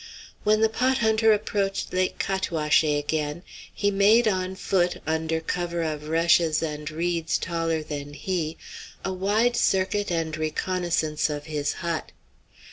When the pot hunter approached Lake Cataouaché again, he made on foot, under cover of rushes and reeds taller than he, a wide circuit and reconnoissance of his hut.